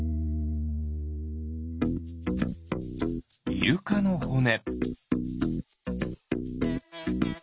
イルカのほね。